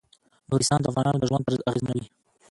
نورستان د افغانانو د ژوند طرز اغېزمنوي.